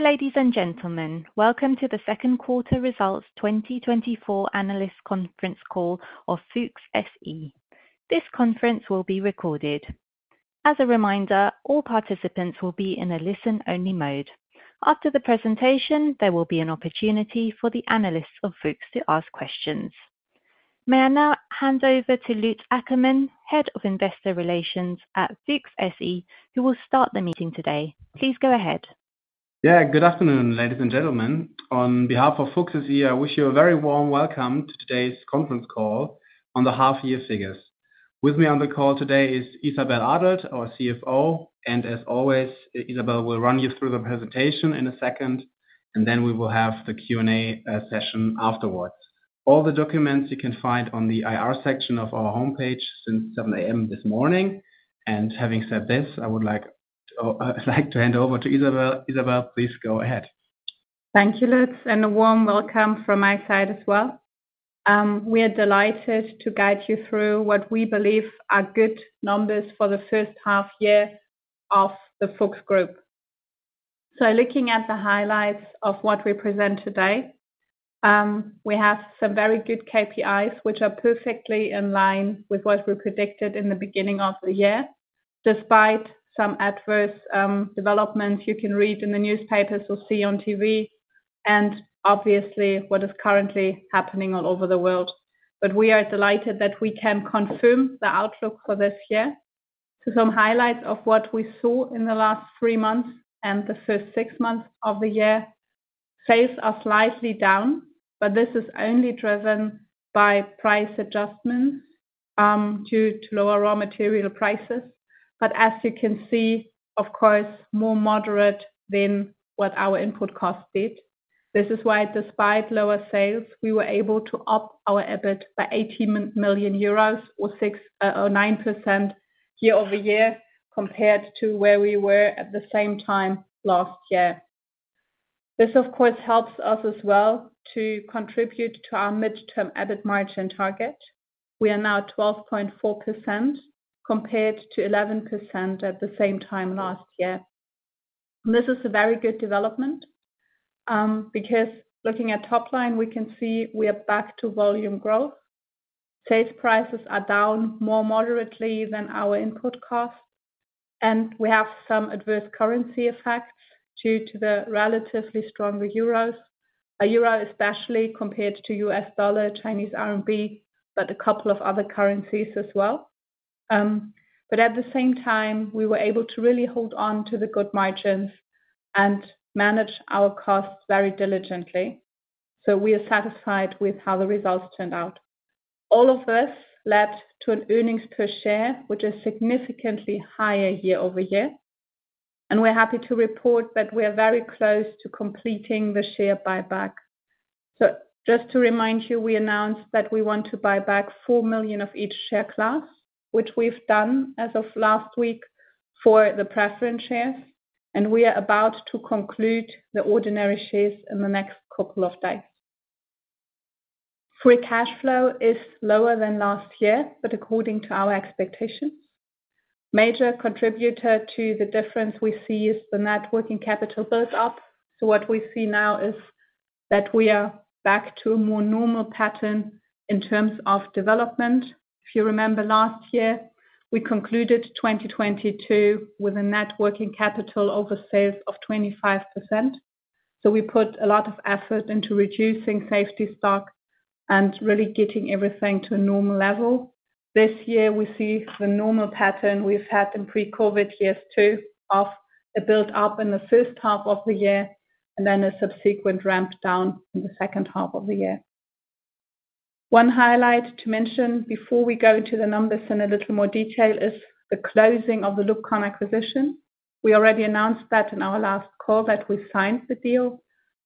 Ladies and gentlemen, welcome to the second quarter results 2024 analysts' conference call of FUCHS SE. This conference will be recorded. As a reminder, all participants will be in a listen-only mode. After the presentation, there will be an opportunity for the analysts of FUCHS to ask questions. May I now hand over to Lutz Ackermann, Head of Investor Relations at FUCHS SE, who will start the meeting today. Please go ahead. Yeah, good afternoon, ladies and gentlemen. On behalf of FUCHS SE, I wish you a very warm welcome to today's conference call on the half-year figures. With me on the call today is Isabelle Adelt, our CFO, and as always, Isabelle will run you through the presentation in a second, and then we will have the Q&A session afterwards. All the documents you can find on the IR section of our homepage since 7:00 A.M. this morning. Having said this, I would like to hand over to Isabelle. Isabelle, please go ahead. Thank you, Lutz, and a warm welcome from my side as well. We are delighted to guide you through what we believe are good numbers for the first half year of the FUCHS Group. So looking at the highlights of what we present today, we have some very good KPIs, which are perfectly in line with what we predicted in the beginning of the year, despite some adverse developments you can read in the newspapers or see on TV, and obviously what is currently happening all over the world. But we are delighted that we can confirm the outlook for this year. So some highlights of what we saw in the last three months and the first six months of the year: sales are slightly down, but this is only driven by price adjustments due to lower raw material prices. But as you can see, of course, more moderate than what our input cost did. This is why, despite lower sales, we were able to up our EBIT by 18 million euros or 9% year-over-year compared to where we were at the same time last year. This, of course, helps us as well to contribute to our mid-term EBIT margin target. We are now 12.4% compared to 11% at the same time last year. This is a very good development because looking at top line, we can see we are back to volume growth. Sales prices are down more moderately than our input costs, and we have some adverse currency effects due to the relatively stronger euros, a euro especially compared to U.S. dollar, Chinese RMB, but a couple of other currencies as well. But at the same time, we were able to really hold on to the good margins and manage our costs very diligently. So we are satisfied with how the results turned out. All of this led to an earnings per share, which is significantly higher year-over-year. And we're happy to report that we are very close to completing the share buyback. So just to remind you, we announced that we want to buy back 4 million of each share class, which we've done as of last week for the preference shares. And we are about to conclude the ordinary shares in the next couple of days. Free cash flow is lower than last year, but according to our expectations, a major contributor to the difference we see is the net working capital build-up. So what we see now is that we are back to a more normal pattern in terms of development. If you remember last year, we concluded 2022 with a net working capital over sales of 25%. So we put a lot of effort into reducing safety stock and really getting everything to a normal level. This year, we see the normal pattern we've had in pre-COVID years too, of a build-up in the first half of the year and then a subsequent ramp down in the second half of the year. One highlight to mention before we go into the numbers in a little more detail is the closing of the LUBCON acquisition. We already announced that in our last call that we signed the deal.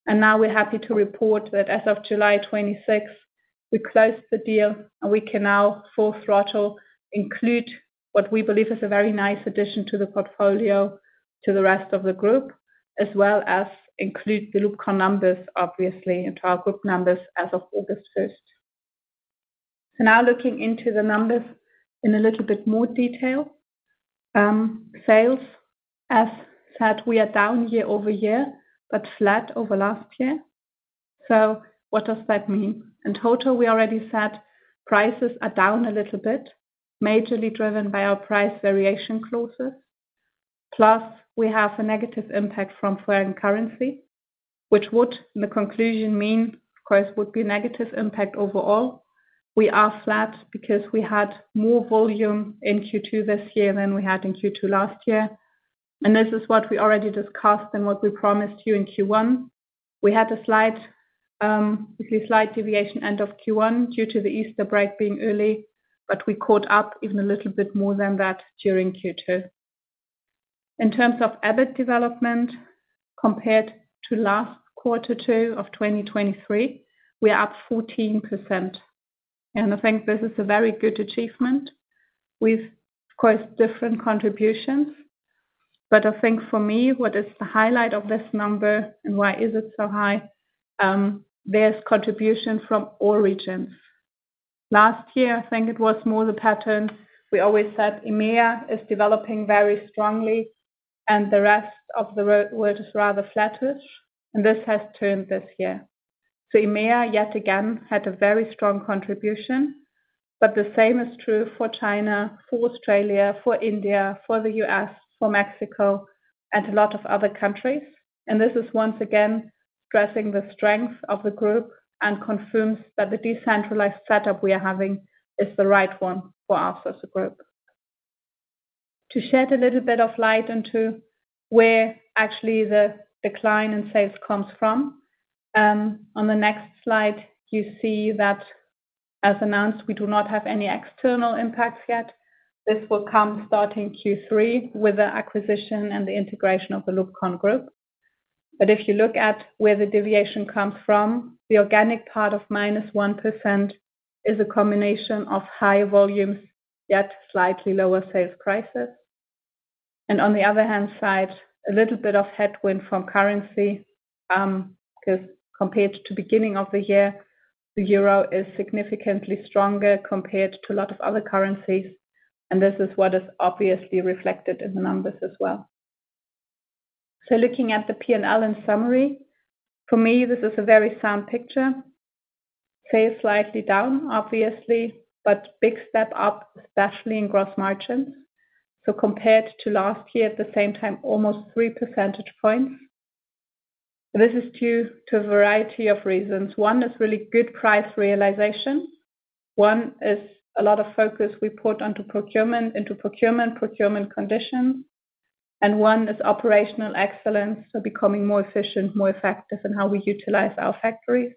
And now we're happy to report that as of July 26, we closed the deal, and we can now full throttle include what we believe is a very nice addition to the portfolio to the rest of the group, as well as include the LUBCON numbers, obviously, into our group numbers as of August 1st. So now looking into the numbers in a little bit more detail, sales, as said, we are down year-over-year, but flat over last year. So what does that mean? In total, we already said prices are down a little bit, majorly driven by our price variation clauses. Plus, we have a negative impact from foreign currency, which would, in the conclusion, mean, of course, would be a negative impact overall. We are flat because we had more volume in Q2 this year than we had in Q2 last year. This is what we already discussed and what we promised you in Q1. We had a slight deviation end of Q1 due to the Easter break being early, but we caught up even a little bit more than that during Q2. In terms of EBIT development compared to last quarter two of 2023, we are up 14%. And I think this is a very good achievement with, of course, different contributions. But I think for me, what is the highlight of this number and why is it so high? There's contribution from all regions. Last year, I think it was more the pattern. We always said EMEA is developing very strongly, and the rest of the world is rather flattish. This has turned this year. So EMEA yet again had a very strong contribution, but the same is true for China, for Australia, for India, for the U.S., for Mexico, and a lot of other countries. And this is once again stressing the strength of the group and confirms that the decentralized setup we are having is the right one for us as a group. To shed a little bit of light into where actually the decline in sales comes from, on the next slide, you see that, as announced, we do not have any external impacts yet. This will come starting Q3 with the acquisition and the integration of the LUBCON group. But if you look at where the deviation comes from, the organic part of -1% is a combination of high volumes, yet slightly lower sales prices. On the other hand side, a little bit of headwind from currency because compared to the beginning of the year, the euro is significantly stronger compared to a lot of other currencies. This is what is obviously reflected in the numbers as well. Looking at the P&L in summary, for me, this is a very sound picture. Sales slightly down, obviously, but big step up, especially in gross margins. Compared to last year, at the same time, almost three percentage points. This is due to a variety of reasons. One is really good price realization. One is a lot of focus we put onto procurement, into procurement, procurement conditions. And one is operational excellence, so becoming more efficient, more effective in how we utilize our factories.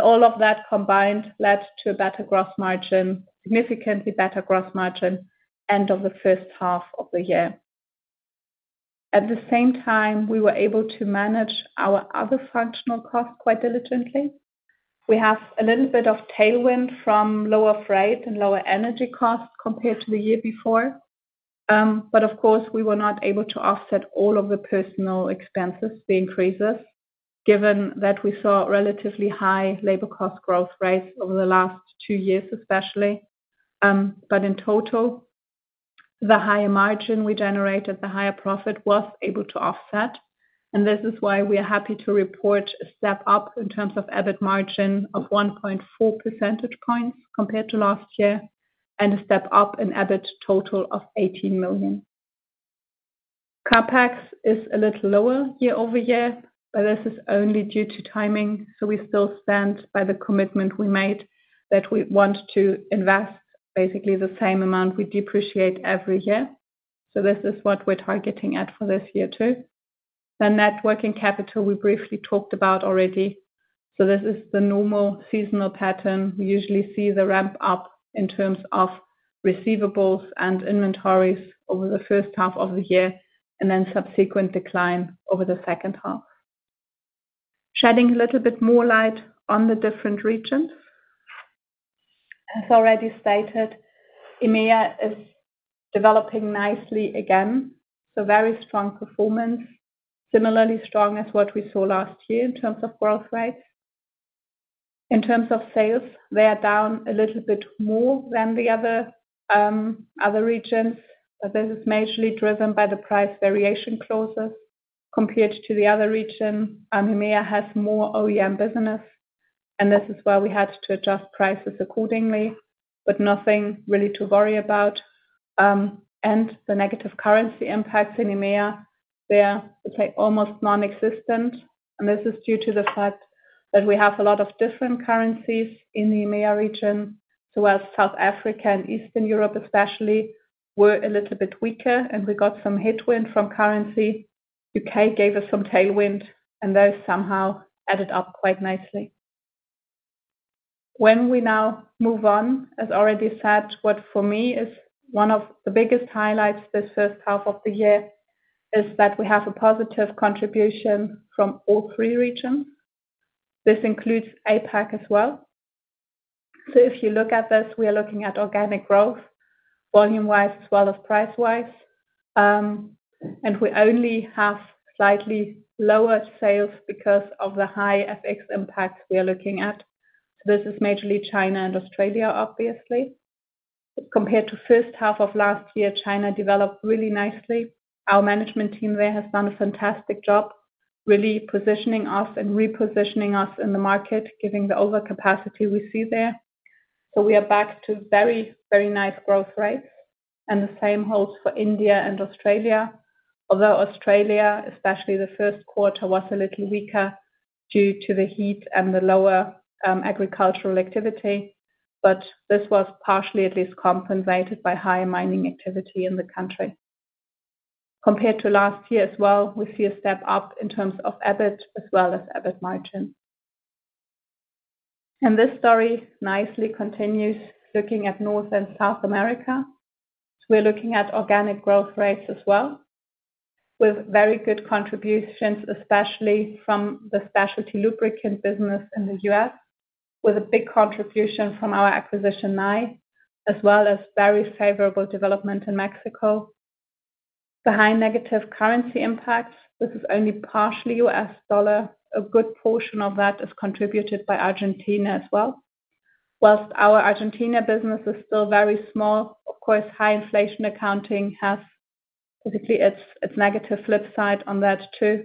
All of that combined led to a better gross margin, significantly better gross margin at the end of the first half of the year. At the same time, we were able to manage our other functional costs quite diligently. We have a little bit of tailwind from lower freight and lower energy costs compared to the year before. But of course, we were not able to offset all of the personnel expenses increases given that we saw relatively high labor cost growth rates over the last 2 years especially. But in total, the higher margin we generated, the higher profit was able to offset. This is why we are happy to report a step up in terms of EBIT margin of 1.4 percentage points compared to last year and a step up in EBIT total of 18 million. CapEx is a little lower year-over-year, but this is only due to timing. So we still stand by the commitment we made that we want to invest basically the same amount we depreciate every year. So this is what we're targeting at for this year too. Then net working capital, we briefly talked about already. So this is the normal seasonal pattern. We usually see the ramp up in terms of receivables and inventories over the first half of the year and then subsequent decline over the second half. Shedding a little bit more light on the different regions. As already stated, EMEA is developing nicely again. So very strong performance, similarly strong as what we saw last year in terms of growth rates. In terms of sales, they are down a little bit more than the other regions. But this is majorly driven by the price variation closes. Compared to the other region, EMEA has more OEM business. This is why we had to adjust prices accordingly, but nothing really to worry about. The negative currency impacts in EMEA, they're, let's say, almost non-existent. This is due to the fact that we have a lot of different currencies in the EMEA region. While South Africa and Eastern Europe especially were a little bit weaker and we got some headwind from currency, the U.K. gave us some tailwind, and those somehow added up quite nicely. When we now move on, as already said, what for me is one of the biggest highlights this first half of the year is that we have a positive contribution from all three regions. This includes APAC as well. If you look at this, we are looking at organic growth volume-wise as well as price-wise. We only have slightly lower sales because of the high FX impacts we are looking at. This is majorly China and Australia, obviously. Compared to the first half of last year, China developed really nicely. Our management team there has done a fantastic job really positioning us and repositioning us in the market, given the overcapacity we see there. We are back to very, very nice growth rates. The same holds for India and Australia, although Australia, especially the first quarter, was a little weaker due to the heat and the lower agricultural activity. This was partially at least compensated by high mining activity in the country. Compared to last year as well, we see a step up in terms of EBIT as well as EBIT margin. This story nicely continues looking at North and South America. We're looking at organic growth rates as well with very good contributions, especially from the specialty lubricant business in the U.S., with a big contribution from our acquisition Nye, as well as very favorable development in Mexico. The high negative currency impacts, this is only partially U.S. dollar. A good portion of that is contributed by Argentina as well. Whilst our Argentina business is still very small, of course, high inflation accounting has basically its negative flip side on that too.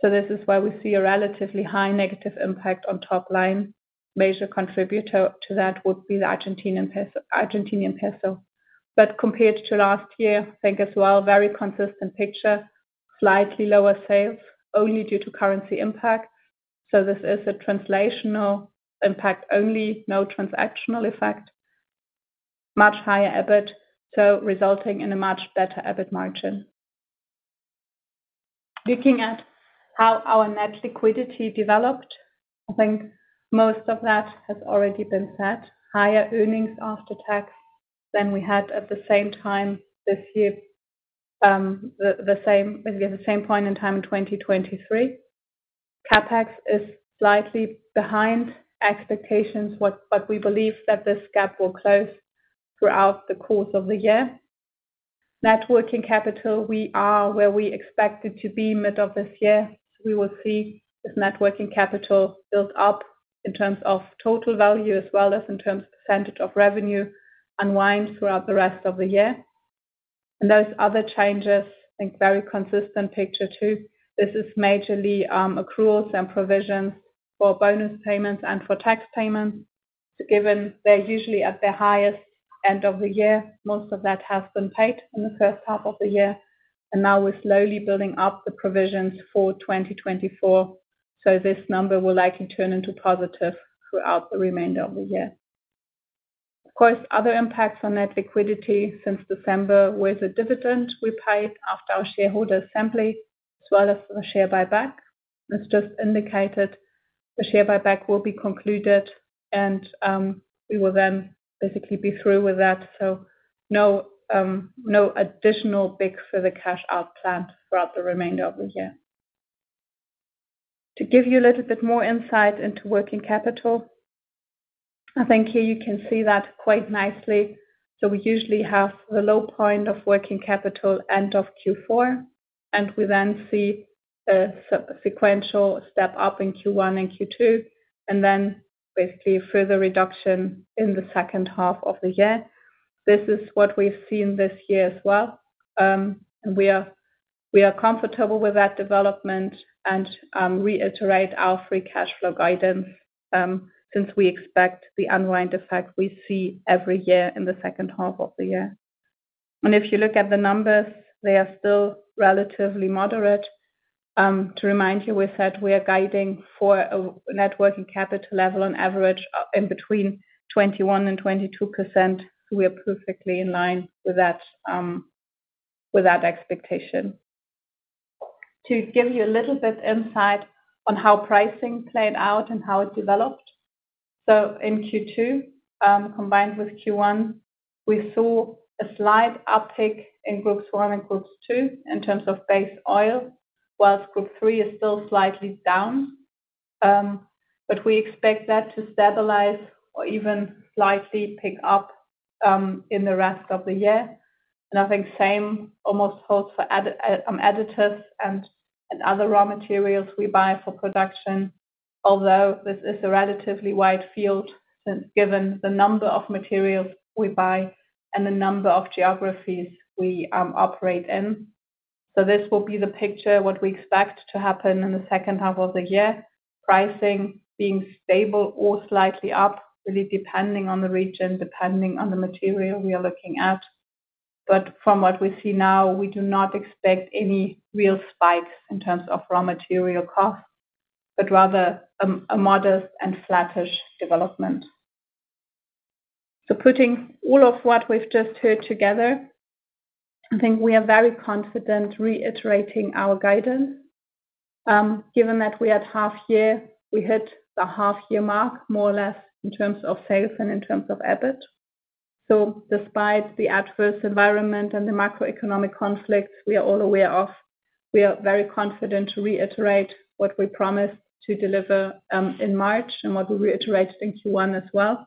So this is why we see a relatively high negative impact on top line. Major contributor to that would be the Argentine peso. But compared to last year, I think as well, very consistent picture, slightly lower sales only due to currency impact. So this is a translational impact only, no transactional effect. Much higher EBIT, so resulting in a much better EBIT margin. Looking at how our net liquidity developed, I think most of that has already been said. Higher earnings after tax than we had at the same time this year, basically at the same point in time in 2023. CapEx is slightly behind expectations, but we believe that this gap will close throughout the course of the year. Net working capital, we are where we expected to be mid of this year. So we will see this Net working capital build up in terms of total value as well as in terms of percentage of revenue unwind throughout the rest of the year. And those other changes, I think very consistent picture too. This is majorly accruals and provisions for bonus payments and for tax payments. So given they're usually at their highest end of the year, most of that has been paid in the first half of the year. Now we're slowly building up the provisions for 2024. This number will likely turn into positive throughout the remainder of the year. Of course, other impacts on net liquidity since December were the dividend we paid after our shareholder assembly as well as the share buyback. As just indicated, the share buyback will be concluded, and we will then basically be through with that. No additional big further cash out planned throughout the remainder of the year. To give you a little bit more insight into working capital, I think here you can see that quite nicely. We usually have the low point of working capital end of Q4, and we then see a sequential step up in Q1 and Q2, and then basically a further reduction in the second half of the year. This is what we've seen this year as well. We are comfortable with that development and reiterate our free cash flow guidance since we expect the unwind effect we see every year in the second half of the year. If you look at the numbers, they are still relatively moderate. To remind you, we said we are guiding for a net working capital level on average in between 21%-22%. We are perfectly in line with that expectation. To give you a little bit insight on how pricing played out and how it developed. In Q2, combined with Q1, we saw a slight uptick in Group I and Group II in terms of base oil, while Group III is still slightly down. But we expect that to stabilize or even slightly pick up in the rest of the year. I think same almost holds for additives and other raw materials we buy for production, although this is a relatively wide field given the number of materials we buy and the number of geographies we operate in. So this will be the picture, what we expect to happen in the second half of the year, pricing being stable or slightly up, really depending on the region, depending on the material we are looking at. But from what we see now, we do not expect any real spikes in terms of raw material costs, but rather a modest and flattish development. So putting all of what we've just heard together, I think we are very confident reiterating our guidance. Given that we are at half year, we hit the half year mark more or less in terms of sales and in terms of EBIT. So despite the adverse environment and the macroeconomic conflicts we are all aware of, we are very confident to reiterate what we promised to deliver in March and what we reiterated in Q1 as well.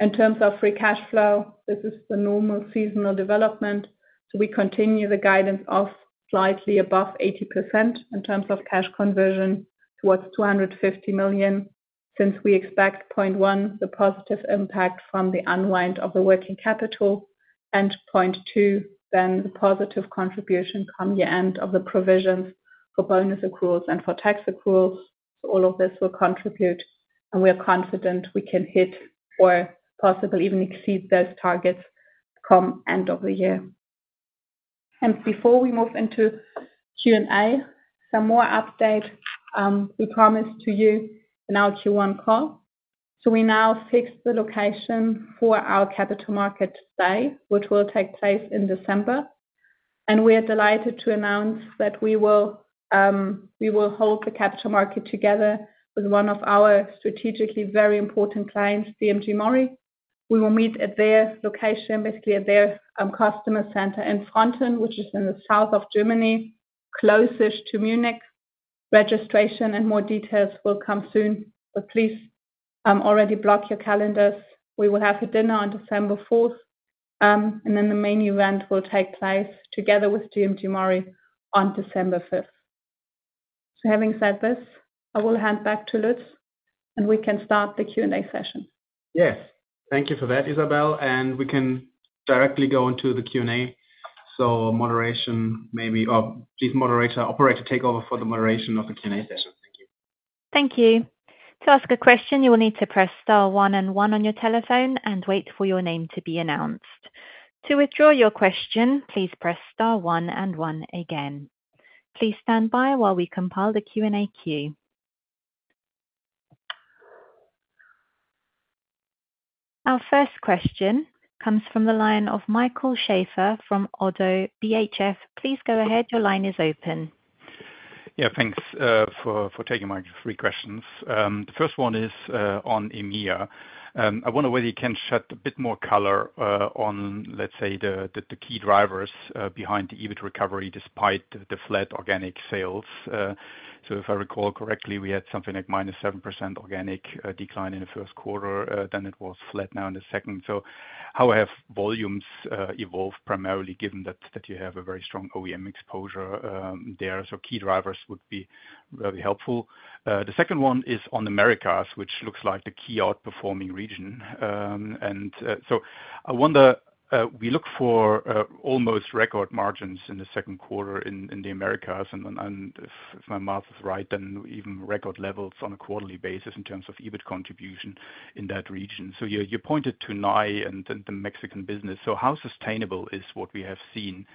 In terms of free cash flow, this is the normal seasonal development. So we continue the guidance of slightly above 80% in terms of cash conversion towards 250 million since we expect point one, the positive impact from the unwind of the working capital, and point two then the positive contribution come year end of the provisions for bonus accruals and for tax accruals. So all of this will contribute, and we are confident we can hit or possibly even exceed those targets come end of the year. And before we move into Q&A, some more update we promised to you in our Q1 call. So we now fixed the location for our capital market day, which will take place in December. And we are delighted to announce that we will hold the capital market together with one of our strategically very important clients, DMG MORI. We will meet at their location, basically at their customer center in Pfronten, which is in the south of Germany, closest to Munich. Registration and more details will come soon. But please already block your calendars. We will have a dinner on December 4, and then the main event will take place together with DMG MORI on December 5. So having said this, I will hand back to Lutz, and we can start the Q&A session. Yes. Thank you for that, Isabelle. And we can directly go into the Q&A. So moderation maybe, or please moderator, operator take over for the moderation of the Q&A session. Thank you. Thank you. To ask a question, you will need to press star one and one on your telephone and wait for your name to be announced. To withdraw your question, please press star one and one again. Please stand by while we compile the Q&A queue. Our first question comes from the line of Michael Schaefer from ODDO BHF. Please go ahead. Your line is open. Yeah, thanks for taking my three questions. The first one is on EMEA. I wonder whether you can shed a bit more color on, let's say, the key drivers behind the EBIT recovery despite the flat organic sales. So if I recall correctly, we had something like -7% organic decline in the first quarter, then it was flat now in the second. So how have volumes evolved primarily given that you have a very strong OEM exposure there? Key drivers would be really helpful. The second one is on Americas, which looks like the key outperforming region. I wonder, we look for almost record margins in the second quarter in the Americas. If my math is right, then even record levels on a quarterly basis in terms of EBIT contribution in that region. You pointed to Nye and the Mexican business. How sustainable is what we have seen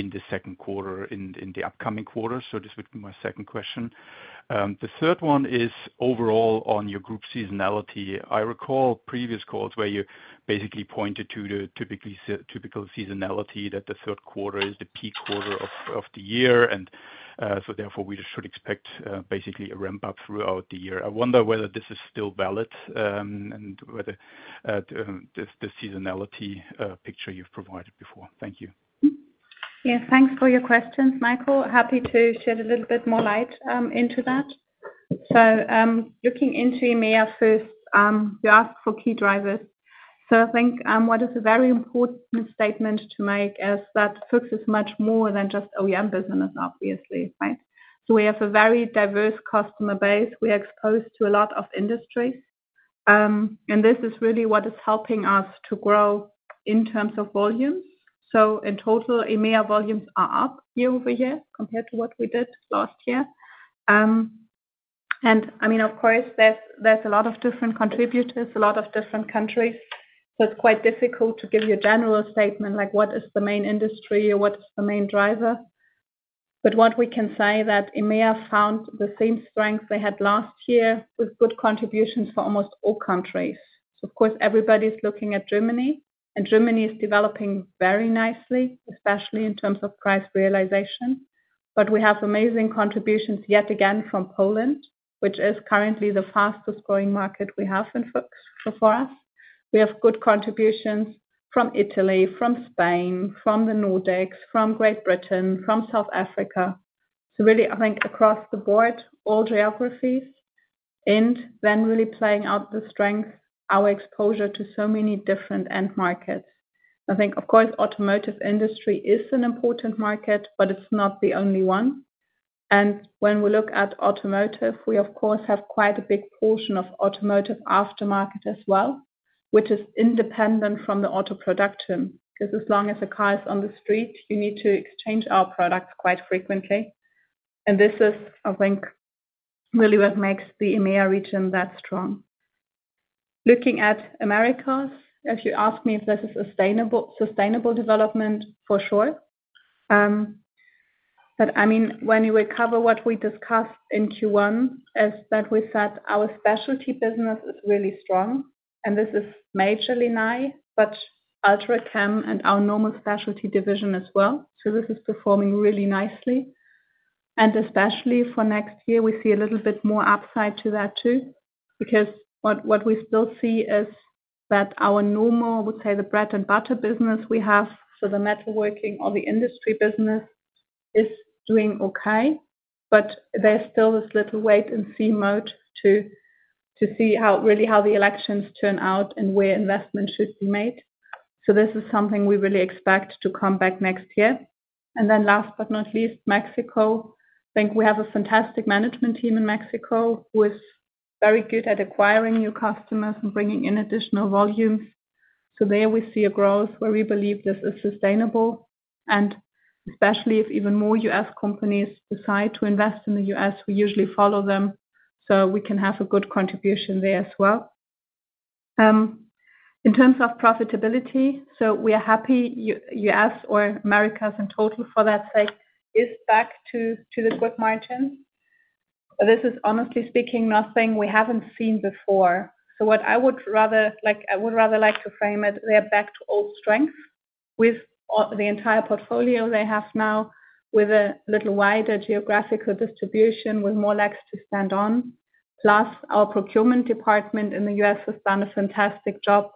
in the second quarter, in the upcoming quarter? This would be my second question. The third one is overall on your group seasonality. I recall previous calls where you basically pointed to the typical seasonality that the third quarter is the peak quarter of the year. Therefore, we should expect basically a ramp-up throughout the year. I wonder whether this is still valid and whether the seasonality picture you've provided before. Thankyou. Yeah, thanks for your questions, Michael. Happy to shed a little bit more light into that. So looking into EMEA first, you asked for key drivers. So I think what is a very important statement to make is that FUCHS is much more than just OEM business, obviously, right? So we have a very diverse customer base. We are exposed to a lot of industries. And this is really what is helping us to grow in terms of volumes. So in total, EMEA volumes are up year over year compared to what we did last year. And I mean, of course, there's a lot of different contributors, a lot of different countries. So it's quite difficult to give you a general statement like what is the main industry or what is the main driver. But what we can say is that EMEA found the same strength they had last year with good contributions for almost all countries. So of course, everybody's looking at Germany, and Germany is developing very nicely, especially in terms of price realization. But we have amazing contributions yet again from Poland, which is currently the fastest growing market we have in FUCHS for us. We have good contributions from Italy, from Spain, from the Nordics, from Great Britain, from South Africa. So really, I think across the board, all geographies, and then really playing out the strength, our exposure to so many different end markets. I think, of course, automotive industry is an important market, but it's not the only one. And when we look at automotive, we, of course, have quite a big portion of automotive aftermarket as well, which is independent from the auto production. Because as long as a car is on the street, you need to exchange our products quite frequently. And this is, I think, really what makes the EMEA region that strong. Looking at Americas, if you ask me if this is sustainable development, for sure. But I mean, when you recover what we discussed in Q1, is that we said our specialty business is really strong. And this is majorly Nye, but ULTRACHEM and our normal specialty division as well. So this is performing really nicely. And especially for next year, we see a little bit more upside to that too. Because what we still see is that our normal, I would say, the bread and butter business we have for the metalworking or the industry business is doing okay. But there's still this little wait and see mode to see really how the elections turn out and where investment should be made. So this is something we really expect to come back next year. And then last but not least, Mexico. I think we have a fantastic management team in Mexico who is very good at acquiring new customers and bringing in additional volumes. So there we see a growth where we believe this is sustainable. And especially if even more U.S. companies decide to invest in the U.S., we usually follow them. So we can have a good contribution there as well. In terms of profitability, so we are happy U.S. or Americas in total for that sake is back to the good margins. But this is, honestly speaking, nothing we haven't seen before. So what I would rather like to frame it, they're back to old strength with the entire portfolio they have now, with a little wider geographical distribution with more legs to stand on. Plus, our procurement department in the U.S. has done a fantastic job,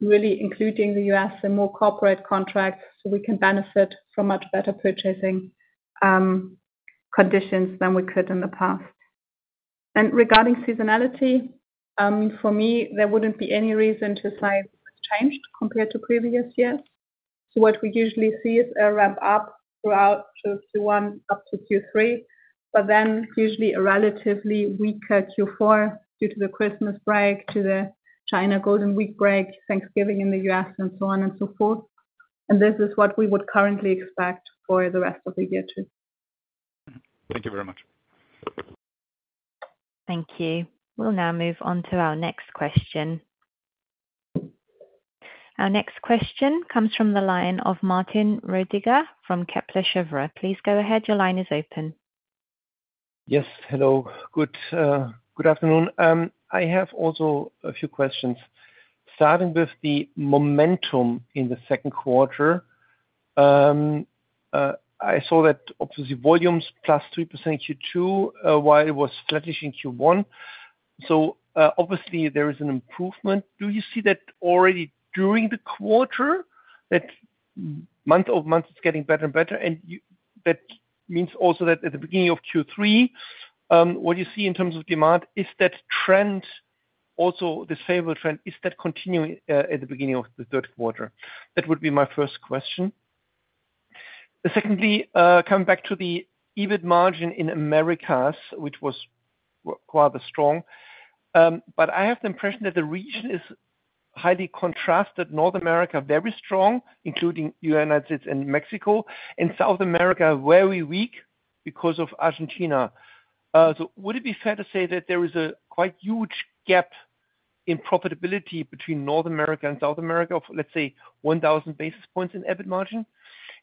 really including the U.S. and more corporate contracts so we can benefit from much better purchasing conditions than we could in the past. And regarding seasonality, for me, there wouldn't be any reason to say it's changed compared to previous years. So what we usually see is a ramp-up throughout Q1 up to Q3, but then usually a relatively weaker Q4 due to the Christmas break, to the China Golden Week break, Thanksgiving in the U.S., and so on and so forth. And this is what we would currently expect for the rest of the year too. Thank you very much. Thank you. We'll now move on to our next question. Our next question comes from the line of Martin Rödiger from Kepler Cheuvreux. Please go ahead. Your line is open. Yes, hello. Good afternoon. I have also a few questions. Starting with the momentum in the second quarter, I saw that obviously volumes plus 3% Q2 while it was flattish in Q1. So obviously, there is an improvement. Do you see that already during the quarter, that month-over-month it's getting better and better? And that means also that at the beginning of Q3, what do you see in terms of demand? Is that trend, also the favorable trend, is that continuing at the beginning of the third quarter? That would be my first question. Secondly, coming back to the EBIT margin in Americas, which was quite strong. But I have the impression that the region is highly contrasted. North America very strong, including the United States and Mexico. In South America, very weak because of Argentina. So would it be fair to say that there is a quite huge gap in profitability between North America and South America of, let's say, 1,000 basis points in EBIT margin?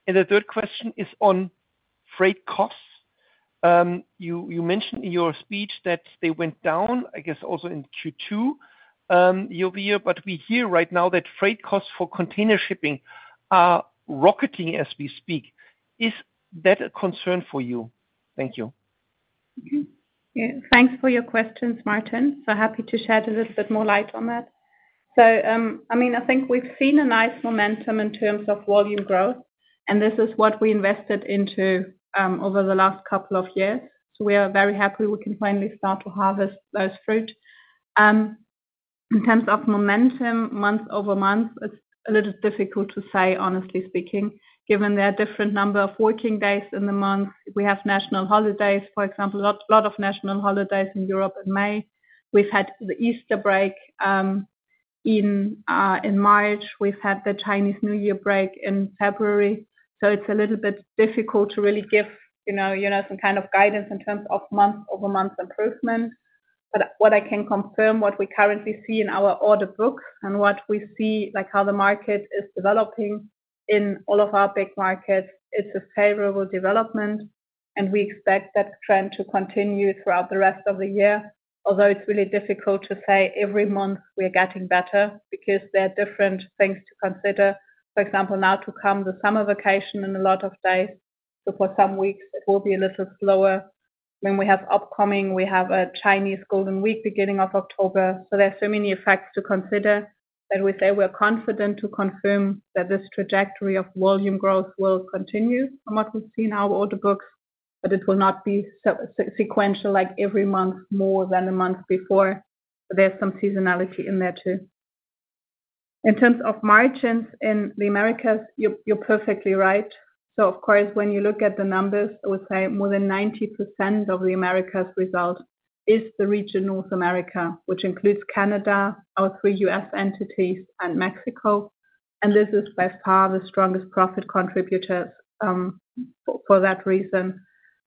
And the third question is on freight costs. You mentioned in your speech that they went down, I guess, also in Q2 year-over-year. But we hear right now that freight costs for container shipping are rocketing as we speak. Is that a concern for you? Thank you. Thanks for your questions, Martin. So happy to shed a little bit more light on that. So I mean, I think we've seen a nice momentum in terms of volume growth, and this is what we invested into over the last couple of years. So we are very happy we can finally start to harvest those fruit. In terms of momentum, month-over-month, it's a little difficult to say, honestly speaking, given the different number of working days in the month. We have national holidays, for example, a lot of national holidays in Europe in May. We've had the Easter break in March. We've had the Chinese New Year break in February. So it's a little bit difficult to really give you some kind of guidance in terms of month-over-month improvement. But what I can confirm, what we currently see in our order books and what we see, like how the market is developing in all of our big markets, it's a favorable development. And we expect that trend to continue throughout the rest of the year. Although it's really difficult to say every month we're getting better because there are different things to consider. For example, now to come the summer vacation in a lot of days. So for some weeks, it will be a little slower. When we have upcoming, we have a Chinese Golden Week beginning of October. So there are so many facts to consider that we say we're confident to confirm that this trajectory of volume growth will continue from what we've seen in our order books. But it will not be sequential like every month more than the month before. There's some seasonality in there too. In terms of margins in the Americas, you're perfectly right. So of course, when you look at the numbers, I would say more than 90% of the Americas result is the region North America, which includes Canada, our three U.S. entities, and Mexico. This is by far the strongest profit contributors for that reason.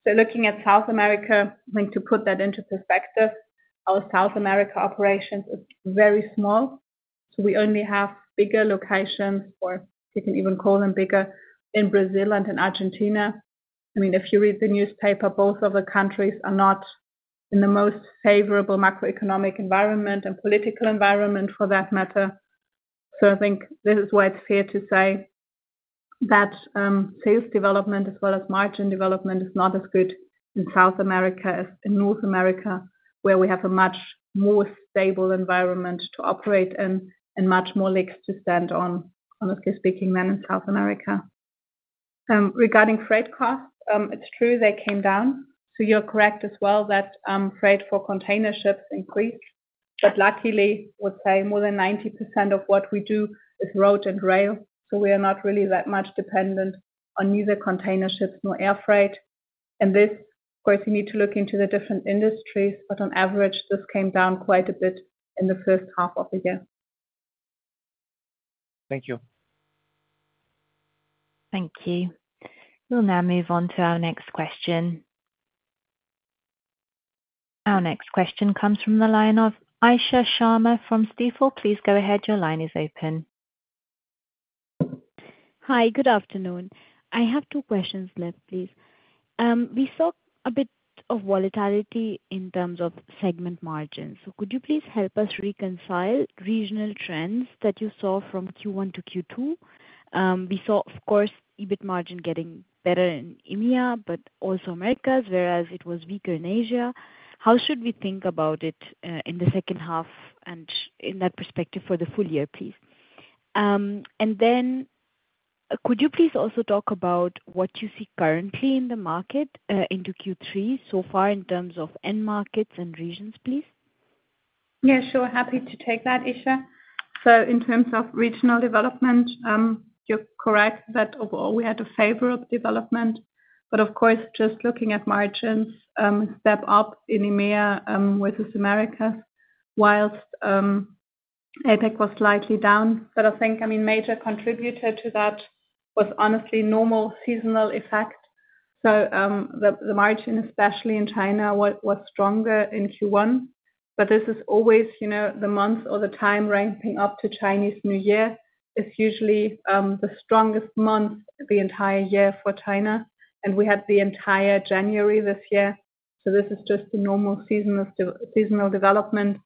Looking at South America, I think to put that into perspective, our South America operations is very small. We only have bigger locations, or you can even call them bigger, in Brazil and in Argentina. I mean, if you read the newspaper, both of the countries are not in the most favorable macroeconomic environment and political environment for that matter. I think this is why it's fair to say that sales development as well as margin development is not as good in South America as in North America, where we have a much more stable environment to operate in and much more legs to stand on, honestly speaking, than in South America. Regarding freight costs, it's true they came down. You're correct as well that freight for container ships increased. But luckily, I would say more than 90% of what we do is road and rail. So we are not really that much dependent on neither container ships nor air freight. And this, of course, you need to look into the different industries. But on average, this came down quite a bit in the first half of the year. Thank you. Thank you. We'll now move on to our next question. Our next question comes from the line of Isha Sharma from Stifel. Please go ahead. Your line is open. Hi, good afternoon. I have two questions left, please. We saw a bit of volatility in terms of segment margins. So could you please help us reconcile regional trends that you saw from Q1 to Q2? We saw, of course, EBIT margin getting better in EMEA, but also Americas, whereas it was weaker in Asia. How should we think about it in the second half and in that perspective for the full year, please? And then could you please also talk about what you see currently in the market into Q3 so far in terms of end markets and regions, please? Yeah, sure. Happy to take that, Isha. So in terms of regional development, you're correct that overall we had a favorable development. But of course, just looking at margins, step up in EMEA versus Americas, while APEC was slightly down. But I think, I mean, major contributor to that was honestly normal seasonal effect. So the margin, especially in China, was stronger in Q1. But this is always the month or the time ramping up to Chinese New Year is usually the strongest month the entire year for China. And we had the entire January this year. So this is just a normal seasonal development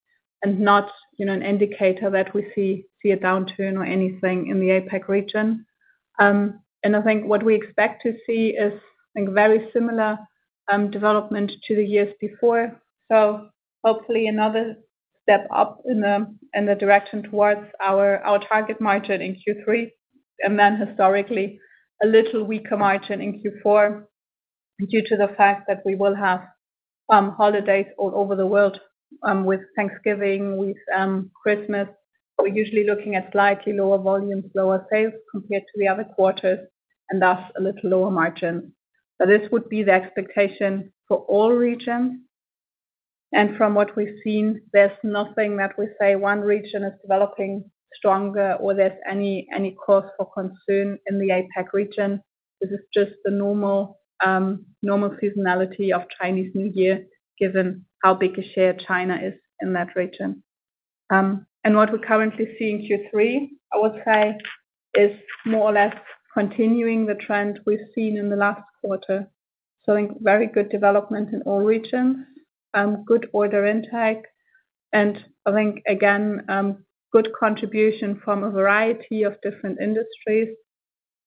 and not an indicator that we see a downturn or anything in the APEC region. And I think what we expect to see is very similar development to the years before. So hopefully another step up in the direction towards our target margin in Q3. And then historically, a little weaker margin in Q4 due to the fact that we will have holidays all over the world with Thanksgiving, with Christmas. We're usually looking at slightly lower volumes, lower sales compared to the other quarters, and thus a little lower margin. But this would be the expectation for all regions. And from what we've seen, there's nothing that we say one region is developing stronger or there's any cause for concern in the APEC region. This is just the normal seasonality of Chinese New Year given how big a share China is in that region. What we currently see in Q3, I would say, is more or less continuing the trend we've seen in the last quarter. So I think very good development in all regions, good order intake. And I think, again, good contribution from a variety of different industries,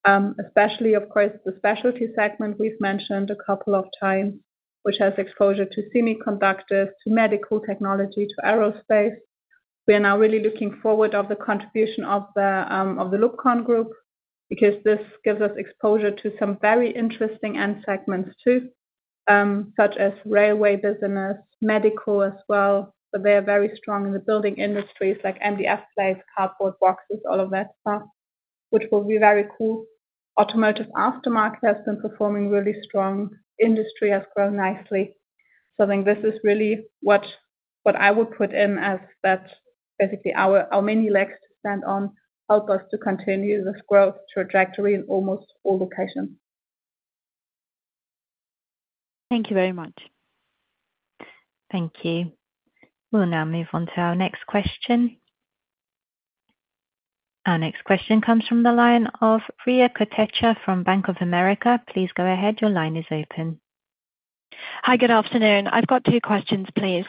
especially, of course, the specialty segment we've mentioned a couple of times, which has exposure to semiconductors, to medical technology, to aerospace. We are now really looking forward to the contribution of the LUBCON Group because this gives us exposure to some very interesting end segments too, such as railway business, medical as well. But they are very strong in the building industries like MDF plates, cardboard boxes, all of that stuff, which will be very cool. Automotive aftermarket has been performing really strong. Industry has grown nicely. So I think this is really what I would put in as basically our many legs to stand on, help us to continue this growth trajectory in almost all locations. Thank you very much. Thank you. We'll now move on to our next question. Our next question comes from the line of Rhea Kutteh from Bank of America. Please go ahead. Your line is open. Hi, good afternoon. I've got two questions, please.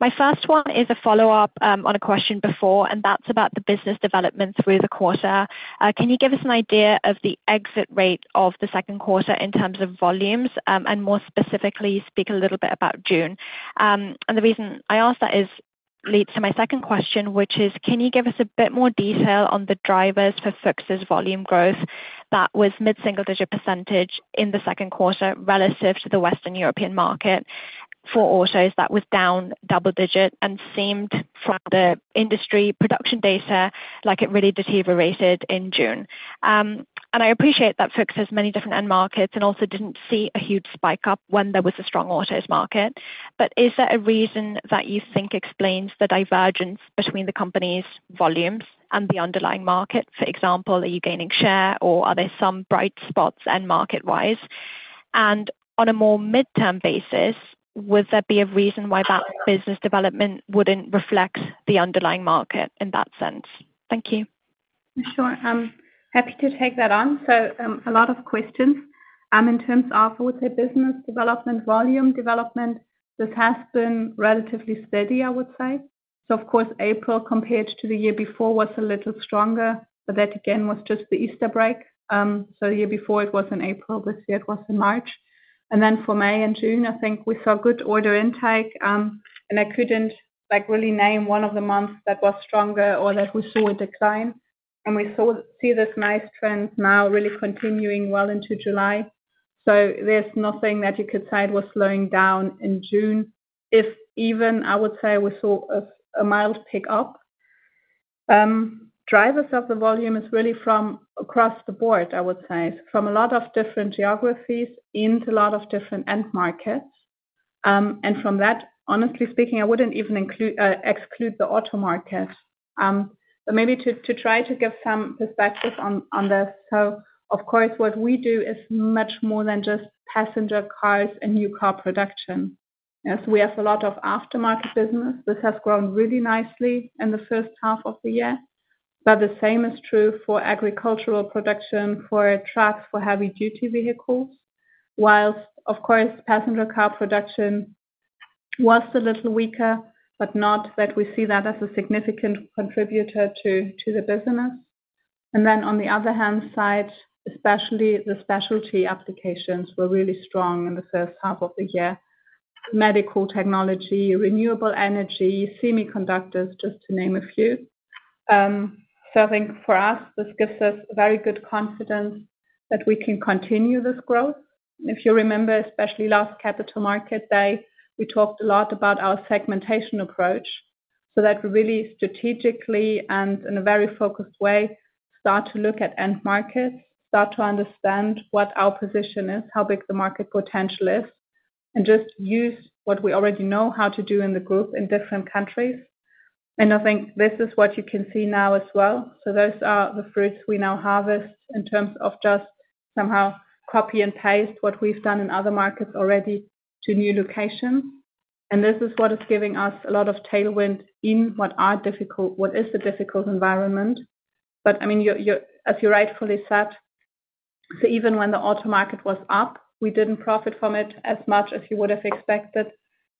My first one is a follow-up on a question before, and that's about the business development through the quarter. Can you give us an idea of the exit rate of the second quarter in terms of volumes? And more specifically, speak a little bit about June. The reason I ask that leads to my second question, which is, can you give us a bit more detail on the drivers for FUCHS' volume growth that was mid-single-digit % in the second quarter relative to the Western European market for autos that was down double-digit % and seemed from the industry production data like it really deteriorated in June? And I appreciate that FUCHS has many different end markets and also didn't see a huge spike up when there was a strong autos market. But is there a reason that you think explains the divergence between the company's volumes and the underlying market? For example, are you gaining share or are there some bright spots end market-wise? And on a more midterm basis, would there be a reason why that business development wouldn't reflect the underlying market in that sense? Thank you. Sure. Happy to take that on. So a lot of questions. In terms of, I would say, business development, volume development, this has been relatively steady, I would say. So of course, April compared to the year before was a little stronger. But that, again, was just the Easter break. So the year before, it was in April. This year, it was in March. And then for May and June, I think we saw good order intake. And I couldn't really name one of the months that was stronger or that we saw a decline. And we see this nice trend now really continuing well into July. So there's nothing that you could say was slowing down in June, if even, I would say, we saw a mild pick up. Drivers of the volume is really from across the board, I would say, from a lot of different geographies into a lot of different end markets. From that, honestly speaking, I wouldn't even exclude the auto market. Maybe to try to give some perspective on this. Of course, what we do is much more than just passenger cars and new car production. We have a lot of aftermarket business. This has grown really nicely in the first half of the year. The same is true for agricultural production, for trucks, for heavy-duty vehicles. While, of course, passenger car production was a little weaker, but not that we see that as a significant contributor to the business. On the other hand side, especially the specialty applications were really strong in the first half of the year. Medical technology, renewable energy, semiconductors, just to name a few. I think for us, this gives us very good confidence that we can continue this growth. If you remember, especially last capital market day, we talked a lot about our segmentation approach so that we really strategically and in a very focused way start to look at end markets, start to understand what our position is, how big the market potential is, and just use what we already know how to do in the group in different countries. And I think this is what you can see now as well. So those are the fruits we now harvest in terms of just somehow copy and paste what we've done in other markets already to new locations. And this is what is giving us a lot of tailwind in what is the difficult environment. But I mean, as you rightfully said, so even when the auto market was up, we didn't profit from it as much as you would have expected.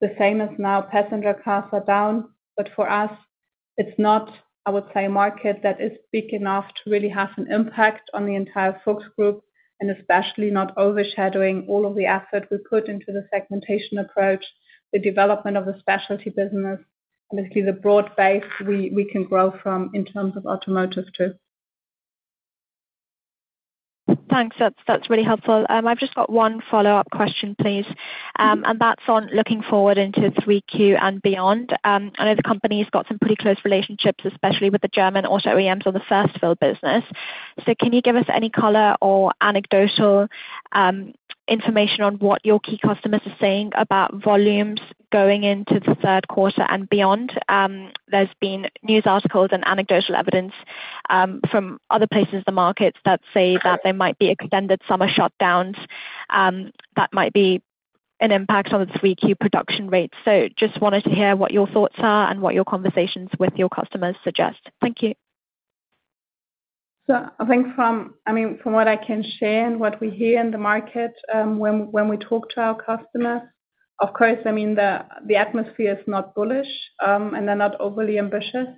The same as now, passenger cars are down. But for us, it's not, I would say, a market that is big enough to really have an impact on the entire FUCHS Group, and especially not overshadowing all of the effort we put into the segmentation approach, the development of the specialty business, and basically the broad base we can grow from in terms of automotive too. Thanks. That's really helpful. I've just got one follow-up question, please. And that's on looking forward into Q3 and beyond. I know the company has got some pretty close relationships, especially with the German auto OEMs on the first-fill business. So can you give us any color or anecdotal information on what your key customers are saying about volumes going into the third quarter and beyond? There's been news articles and anecdotal evidence from other places in the markets that say that there might be extended summer shutdowns that might be an impact on the Q3 production rates. So just wanted to hear what your thoughts are and what your conversations with your customers suggest. Thank you. So I think from, I mean, from what I can share and what we hear in the market when we talk to our customers, of course, I mean, the atmosphere is not bullish and they're not overly ambitious.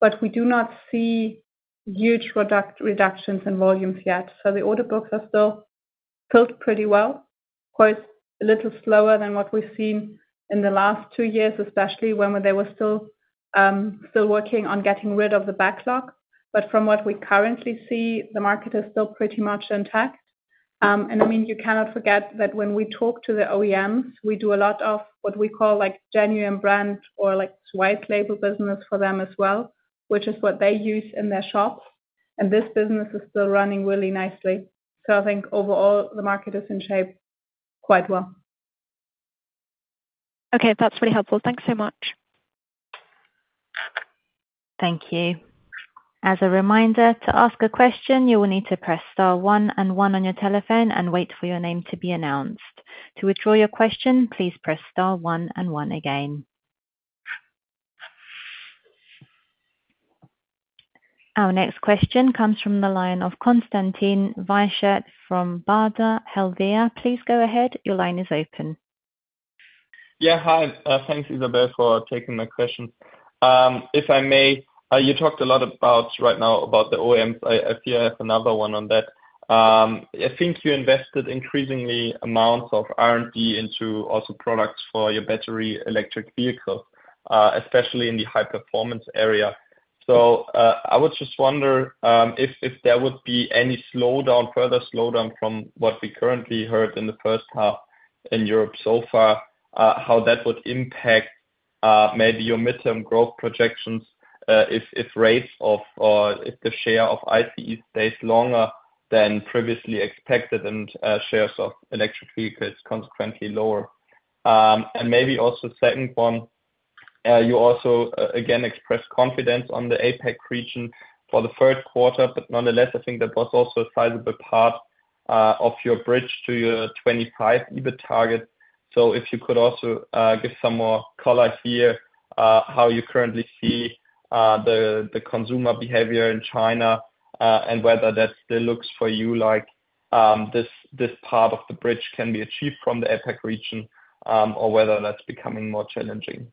But we do not see huge reductions in volumes yet. So the order books are still filled pretty well. Of course, a little slower than what we've seen in the last two years, especially when they were still working on getting rid of the backlog. But from what we currently see, the market is still pretty much intact. And I mean, you cannot forget that when we talk to the OEMs, we do a lot of what we call genuine brand or white label business for them as well, which is what they use in their shops. And this business is still running really nicely. So I think overall, the market is in shape quite well. Okay. That's really helpful. Thanks so much. Thank you. As a reminder, to ask a question, you will need to press star one and one on your telephone and wait for your name to be announced. To withdraw your question, please press star one and one again. Our next question comes from the line of Konstantin Wiechert from Baader Helvea. Please go ahead. Your line is open. Yeah. Hi. Thanks, Isabelle, for taking my question. If I may, you talked a lot about right now about the OEMs. I see I have another one on that. I think you invested increasingly amounts of R&D into also products for your battery electric vehicles, especially in the high-performance area. So I would just wonder if there would be any slowdown, further slowdown from what we currently heard in the first half in Europe so far, how that would impact maybe your midterm growth projections if rates of or if the share of ICE stays longer than previously expected and shares of electric vehicles consequently lower. Maybe also second one, you also again expressed confidence on the APEC region for the third quarter. Nonetheless, I think that was also a sizable part of your bridge to your 25 EBIT target. So if you could also give some more color here how you currently see the consumer behavior in China and whether that still looks for you like this part of the bridge can be achieved from the APEC region or whether that's becoming more challenging?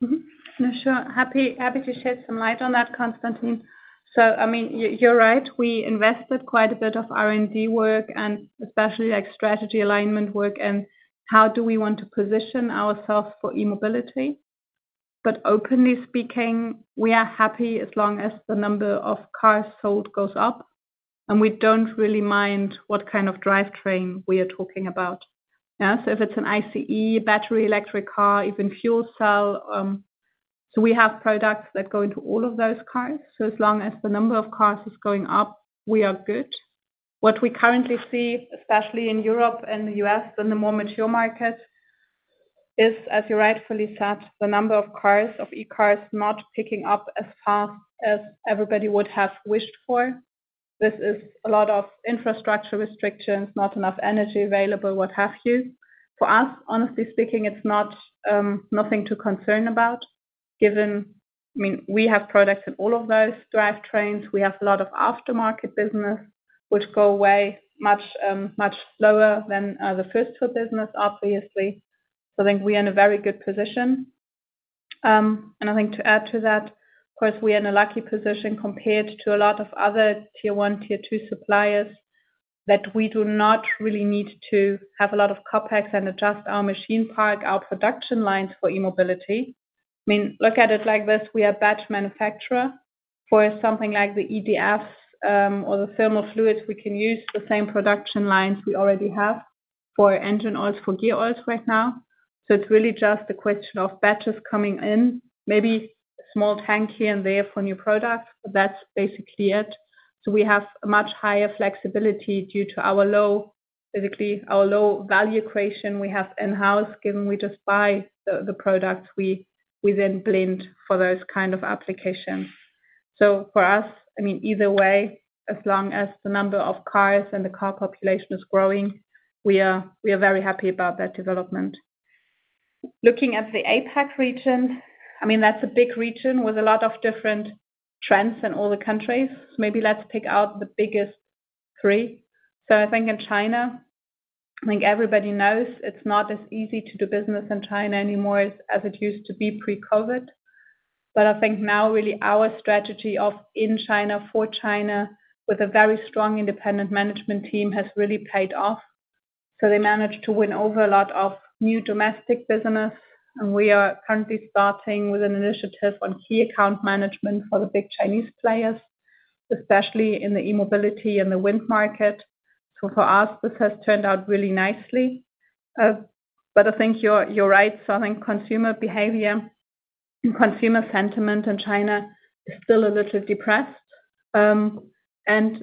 For sure. Happy to shed some light on that, Konstantin. So I mean, you're right. We invested quite a bit of R&D work and especially strategy alignment work and how do we want to position ourselves for e-mobility. But openly speaking, we are happy as long as the number of cars sold goes up. And we don't really mind what kind of drivetrain we are talking about. So if it's an ICE, battery electric car, even fuel cell. So we have products that go into all of those cars. So as long as the number of cars is going up, we are good. What we currently see, especially in Europe and the U.S. and the more mature market, is, as you rightfully said, the number of cars, of e-cars, not picking up as fast as everybody would have wished for. This is a lot of infrastructure restrictions, not enough energy available, what have you. For us, honestly speaking, it's nothing to concern about given, I mean, we have products in all of those drivetrains. We have a lot of aftermarket business, which go away much slower than the first-fill business, obviously. So I think we are in a very good position. And I think to add to that, of course, we are in a lucky position compared to a lot of other tier one, tier two suppliers that we do not really need to have a lot of CapEx and adjust our machine park out production lines for e-mobility. I mean, look at it like this. We are a batch manufacturer for something like the EDFs or the thermal fluids. We can use the same production lines we already have for engine oils, for gear oils right now. So it's really just a question of batches coming in, maybe small tank here and there for new products, but that's basically it. So we have a much higher flexibility due to our low, basically our low value equation we have in-house. Given we just buy the products, we then blend for those kind of applications. So for us, I mean, either way, as long as the number of cars and the car population is growing, we are very happy about that development. Looking at the APEC region, I mean, that's a big region with a lot of different trends in all the countries. Maybe let's pick out the biggest three. So I think in China, I think everybody knows it's not as easy to do business in China anymore as it used to be pre-COVID. But I think now really our strategy of in China for China with a very strong independent management team has really paid off. So they managed to win over a lot of new domestic business. And we are currently starting with an initiative on key account management for the big Chinese players, especially in the e-mobility and the wind market. So for us, this has turned out really nicely. But I think you're right. So I think consumer behavior and consumer sentiment in China is still a little depressed. And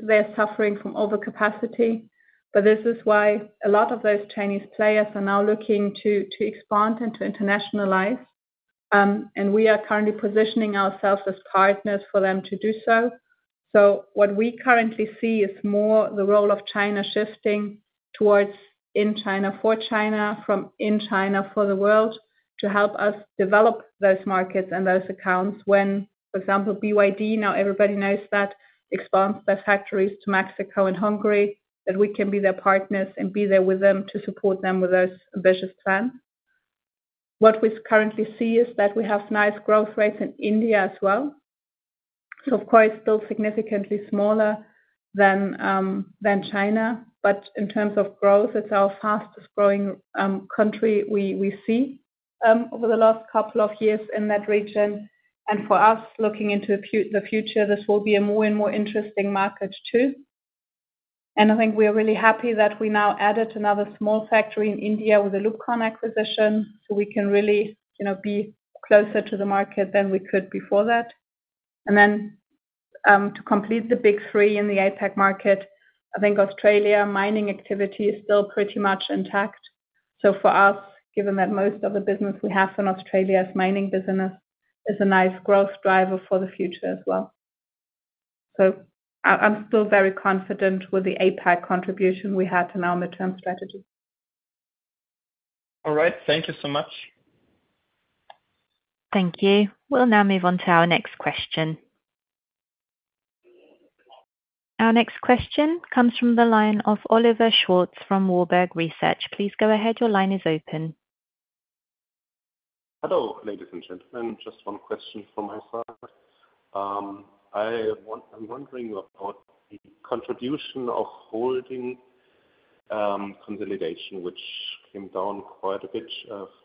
they're suffering from overcapacity. But this is why a lot of those Chinese players are now looking to expand and to internationalize. And we are currently positioning ourselves as partners for them to do so. So what we currently see is more the role of China shifting towards in China for China, from in China for the world to help us develop those markets and those accounts when, for example, BYD, now everybody knows that, expands their factories to Mexico and Hungary, that we can be their partners and be there with them to support them with those ambitious plans. What we currently see is that we have nice growth rates in India as well. So of course, still significantly smaller than China. But in terms of growth, it's our fastest growing country we see over the last couple of years in that region. And for us, looking into the future, this will be a more and more interesting market too. I think we are really happy that we now added another small factory in India with a LUBCON acquisition so we can really be closer to the market than we could before that. Then to complete the big three in the APEC market, I think Australia mining activity is still pretty much intact. So for us, given that most of the business we have in Australia is mining business, it's a nice growth driver for the future as well. So I'm still very confident with the APEC contribution we had in our midterm strategy. All right. Thank you so much. Thank you. We'll now move on to our next question. Our next question comes from the line of Oliver Schwarz from Warburg Research. Please go ahead. Your line is open. Hello, ladies and gentlemen. Just one question from my side. I'm wondering about the contribution of holding consolidation, which came down quite a bit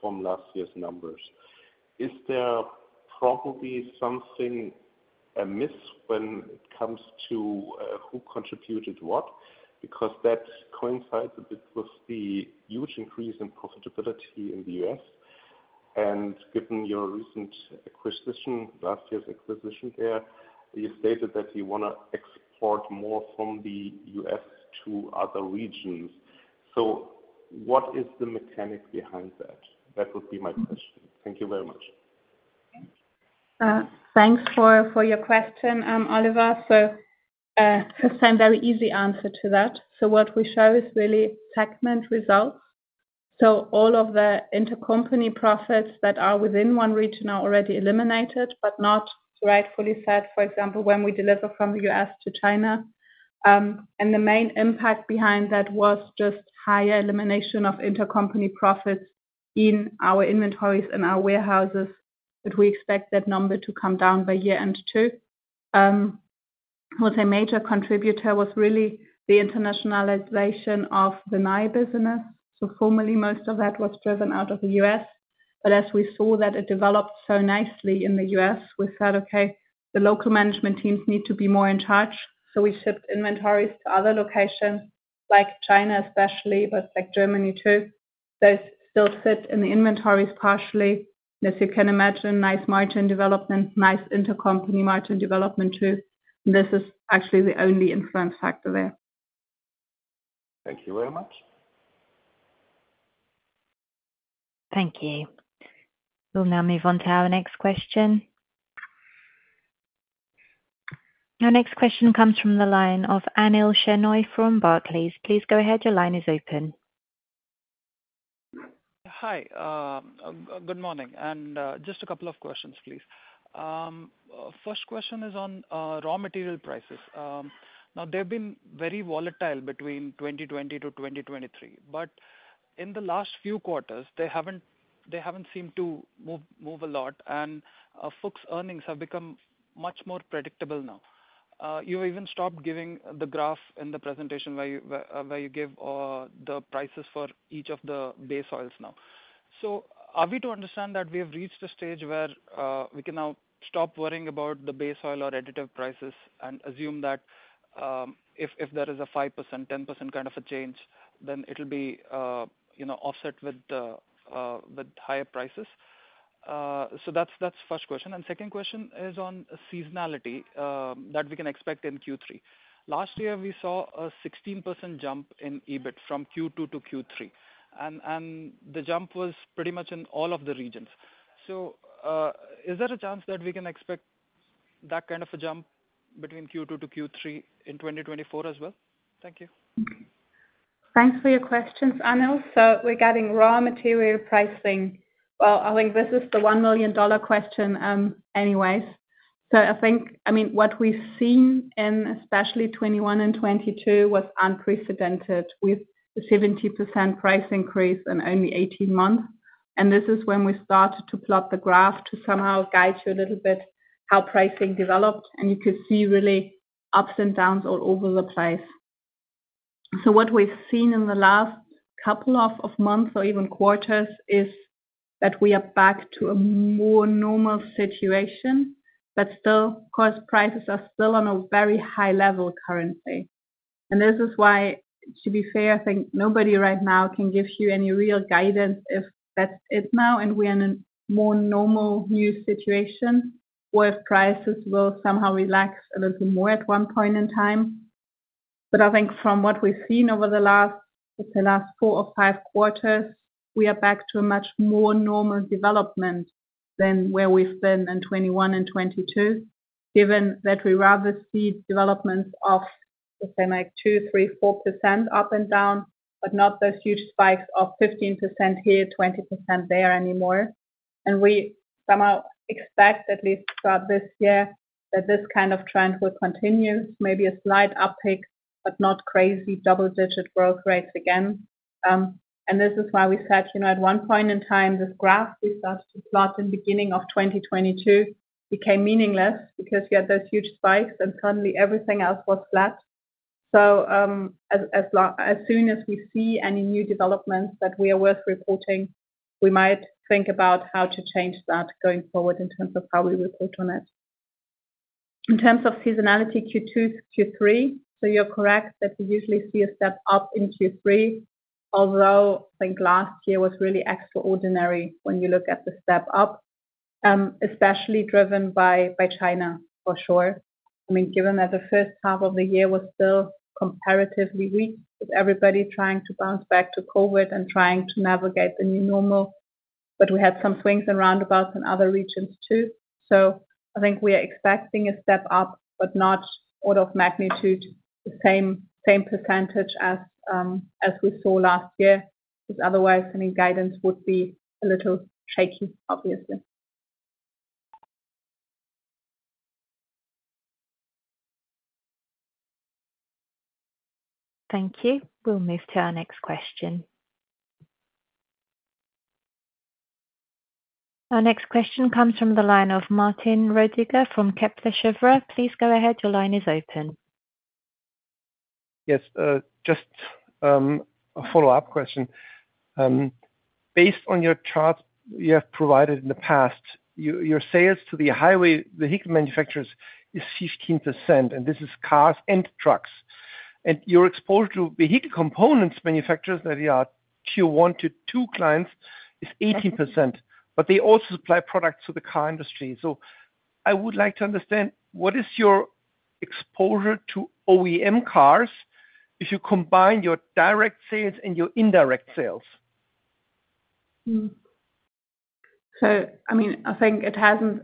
from last year's numbers. Is there probably something amiss when it comes to who contributed what? Because that coincides a bit with the huge increase in profitability in the U.S. And given your recent acquisition, last year's acquisition there, you stated that you want to export more from the U.S. to other regions. So what is the mechanic behind that? That would be my question. Thank you very much. Thanks for your question, Oliver. So first time, very easy answer to that. So what we show is really segment results. So all of the intercompany profits that are within one region are already eliminated, but not, rightfully said, for example, when we deliver from the U.S. to China. The main impact behind that was just higher elimination of intercompany profits in our inventories and our warehouses. We expect that number to come down by year end too. I would say major contributor was really the internationalization of the Nye business. Formally, most of that was driven out of the U.S. As we saw that it developed so nicely in the U.S., we said, "Okay, the local management teams need to be more in charge." We shipped inventories to other locations, like China especially, but like Germany too. Those still sit in the inventories partially. As you can imagine, nice margin development, nice intercompany margin development too. This is actually the only influence factor there. Thank you very much. Thank you. We'll now move on to our next question. Our next question comes from the line of Anil Shenoy from Barclays. Please go ahead. Your line is open Hi. Good morning. Just a couple of questions, please. First question is on raw material prices. Now, they've been very volatile between 2020 to 2023. But in the last few quarters, they haven't seemed to move a lot. And FUCHS' earnings have become much more predictable now. You even stopped giving the graph in the presentation where you give the prices for each of the base oils now. So are we to understand that we have reached a stage where we can now stop worrying about the base oil or additive prices and assume that if there is a 5%, 10% kind of a change, then it'll be offset with higher prices? So that's the first question. Second question is on seasonality that we can expect in Q3. Last year, we saw a 16% jump in EBIT from Q2 to Q3. The jump was pretty much in all of the regions. So is there a chance that we can expect that kind of a jump between Q2 to Q3 in 2024 as well? Thank you. Thanks for your questions, Anil. So regarding raw material pricing, well, I think this is the $1 million question anyways. So I think, I mean, what we've seen in especially 2021 and 2022 was unprecedented with the 70% price increase in only 18 months. And this is when we started to plot the graph to somehow guide you a little bit how pricing developed. And you could see really ups and downs all over the place. So what we've seen in the last couple of months or even quarters is that we are back to a more normal situation. But still, of course, prices are still on a very high level currently. This is why, to be fair, I think nobody right now can give you any real guidance if that's it now and we're in a more normal new situation where prices will somehow relax a little more at one point in time. I think from what we've seen over the last, let's say, last 4 or 5 quarters, we are back to a much more normal development than where we've been in 2021 and 2022, given that we rather see developments of, let's say, like 2%, 3%, 4% up and down, but not those huge spikes of 15% here, 20% there anymore. We somehow expect at least start this year that this kind of trend will continue, maybe a slight uptick, but not crazy double-digit growth rates again. And this is why we said at one point in time, this graph we started to plot in the beginning of 2022 became meaningless because you had those huge spikes and suddenly everything else was flat. So as soon as we see any new developments that we are worth reporting, we might think about how to change that going forward in terms of how we report on it. In terms of seasonality Q2 to Q3, so you're correct that we usually see a step up in Q3, although I think last year was really extraordinary when you look at the step up, especially driven by China for sure. I mean, given that the first half of the year was still comparatively weak with everybody trying to bounce back to COVID and trying to navigate the new normal, but we had some swings and roundabouts in other regions too. So I think we are expecting a step up, but not order of magnitude the same percentage as we saw last year, because otherwise any guidance would be a little shaky, obviously. Thank you. We'll move to our next question. Our next question comes from the line of Martin Rödiger from Kepler Cheuvreux. Please go ahead. Your line is open. Yes. Just a follow-up question. Based on your charts you have provided in the past, your sales to the highway vehicle manufacturers is 15%, and this is cars and trucks. And your exposure to vehicle components manufacturers that are tier one to two clients is 18%. But they also supply products to the car industry. So I would like to understand what is your exposure to OEM cars if you combine your direct sales and your indirect sales? So I mean, I think it hasn't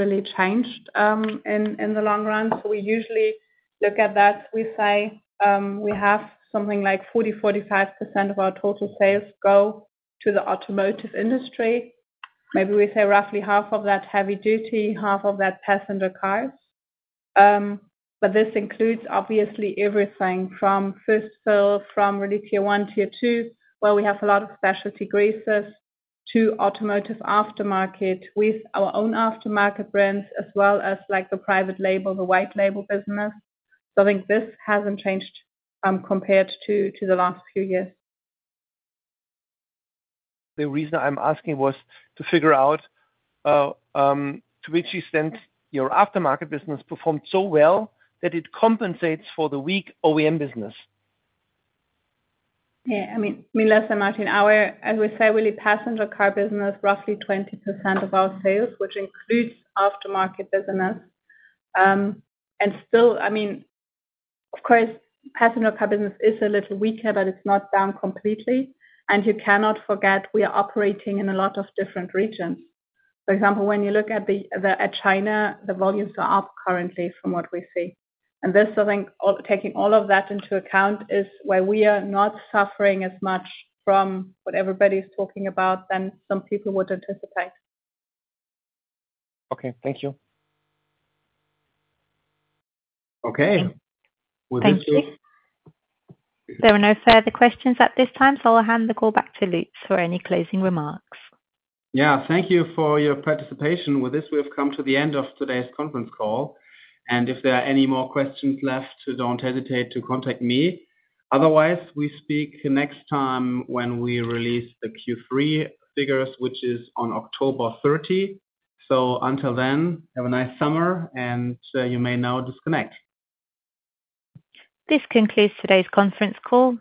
really changed in the long run. So we usually look at that. We say we have something like 40%-45% of our total sales go to the automotive industry. Maybe we say roughly half of that heavy duty, half of that passenger cars. But this includes obviously everything from first fill, from really tier one, tier two, where we have a lot of specialty greases, to automotive aftermarket with our own aftermarket brands, as well as the private label, the white label business. So I think this hasn't changed compared to the last few years. The reason I'm asking was to figure out to which extent your aftermarket business performed so well that it compensates for the weak OEM business. I mean, Martin, our, as we say, really passenger car business, roughly 20% of our sales, which includes aftermarket business. And still, I mean, of course, passenger car business is a little weaker, but it's not down completely. And you cannot forget we are operating in a lot of different regions. For example, when you look at China, the volumes are up currently from what we see. And this, I think, taking all of that into account is where we are not suffering as much from what everybody is talking about than some people would anticipate. Okay. Thank you. Okay. Well, thank you. Thank you. There are no further questions at this time, so I'll hand the call back to Lutz for any closing remarks. Yeah. Thank you for your participation. With this, we have come to the end of today's conference call. If there are any more questions left, don't hesitate to contact me. Otherwise, we speak next time when we release the Q3 figures, which is on October 30. Until then, have a nice summer, and you may now disconnect. This concludes today's conference call.